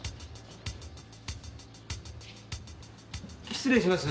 失礼します。